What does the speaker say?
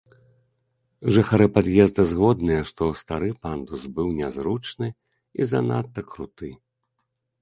Жыхары пад'езда згодныя, што стары пандус быў нязручны і занадта круты.